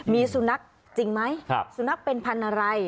มีสุนัขจริงไหมสุนัขเป็นพันธุ์อะไร